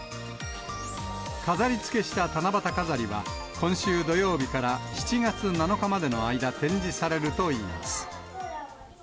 飾りつけした七夕飾りは、今週土曜日から７月７日までの間、展示されるといいます。